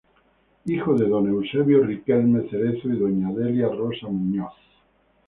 Hijo de don Eusebio Riquelme Cerezo y doña Delia Rosa Muñoz.